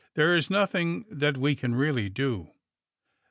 There is nothing that we can really do."